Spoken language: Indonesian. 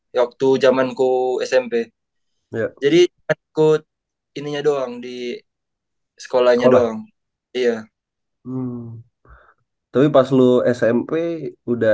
di waktu zamanku smp jadi ikut ininya doang di sekolahnya doang iya tapi pas lu smp udah